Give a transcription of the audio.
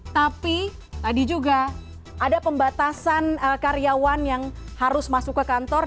tapi tadi juga ada pembatasan karyawan yang harus masuk ke kantor